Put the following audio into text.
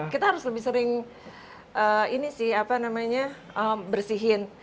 kita harus lebih sering ini sih apa namanya bersihin